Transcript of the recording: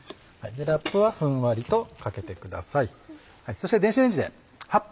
ラップはふんわりとかけてください。